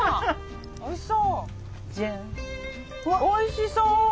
おいしそう。